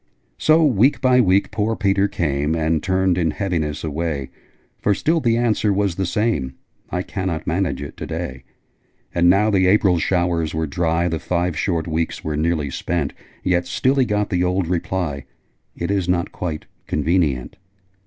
So, week by week, poor Peter came And turned in heaviness away; For still the answer was the same, 'I cannot manage it to day.' And now the April showers were dry The five short weeks were nearly spent Yet still he got the old reply, 'It is not quite convenient!'